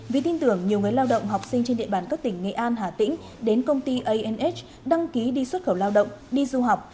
vì tin tưởng nhiều người lao động học sinh trên địa bàn các tỉnh nghệ an hà tĩnh đến công ty anh đăng ký đi xuất khẩu lao động đi du học